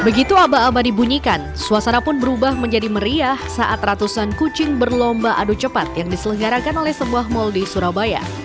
begitu aba aba dibunyikan suasana pun berubah menjadi meriah saat ratusan kucing berlomba adu cepat yang diselenggarakan oleh sebuah mal di surabaya